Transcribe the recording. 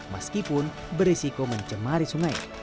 meskipun berisiko mencemari sungai